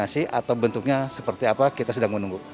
atau bentuknya seperti apa kita sedang menunggu